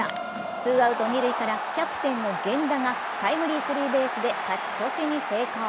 ツーアウト二塁からキャプテンの源田がタイムリースリーベースで勝ち越しに成功。